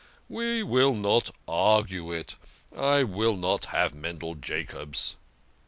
" We will not argue it. I will not have Mendel Jacobs."